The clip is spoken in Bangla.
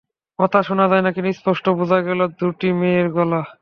কথা শোনা যায় না, কিন্তু স্পষ্টই বোঝা গেল দুটিই মেয়ের গলা।